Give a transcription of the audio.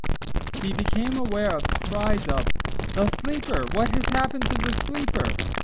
He became aware of cries of "The Sleeper. What has happened to the Sleeper?"